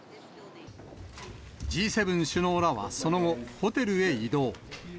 Ｇ７首脳らはその後、ホテルへ移動。